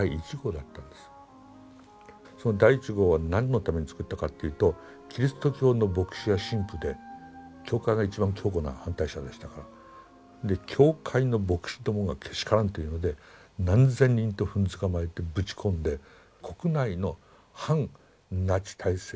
その第１号は何のために作ったかっていうとキリスト教の牧師や神父で教会が一番強固な反対者でしたからで教会の牧師どもがけしからんというので何千人とふん捕まえてぶち込んで国内の反ナチ体制をぶっ潰すため。